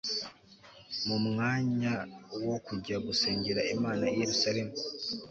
mu mwanya wo kujya gusengera Imana i Yerusalemu